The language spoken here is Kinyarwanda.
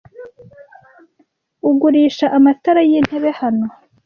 Ugurisha amatara yintebe hano?